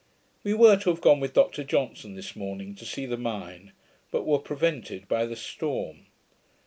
We were to have gone with Dr Johnson this morning to see the mine; but were prevented by the storm.